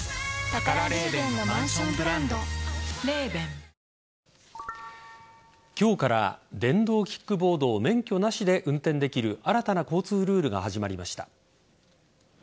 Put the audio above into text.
契約は３年でおよそ５１００万ドル今日から、電動キックボードを免許なしで運転できる新たな交通ルールが始まりました。